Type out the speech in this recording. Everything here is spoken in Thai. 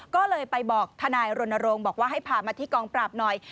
ก็เลยไปบอกทนายรณรงค์บอกว่าให้พามาที่กองปราบหน่อย